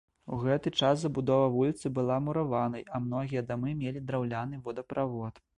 У гэты час забудова вуліцы была мураванай, а многія дамы мелі драўляны водаправод.